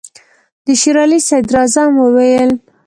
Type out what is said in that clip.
د شېر علي صدراعظم وویل.